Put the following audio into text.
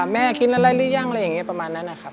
แม่กินอะไรหรือยังอะไรอย่างนี้ประมาณนั้นนะครับ